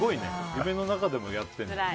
夢の中でもやってるんだ。